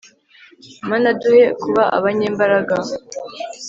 mana duhe kuba abanyembaraga